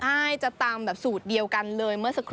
ใช่จะตำแบบสูตรเดียวกันเลย